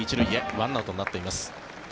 １アウトになっています。